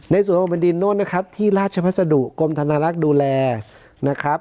ในส่วนของแผ่นดินโน้นนะครับที่ราชพัสดุกรมธนลักษณ์ดูแลนะครับ